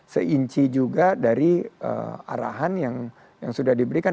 seinci juga dari arahan yang sudah diberikan